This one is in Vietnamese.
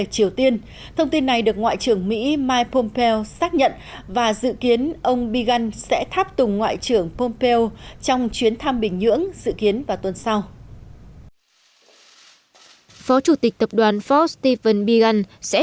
chuyến thăm bình nhưỡng dự kiến vào tuần sau phó chủ tịch tập đoàn ford stephen biegun sẽ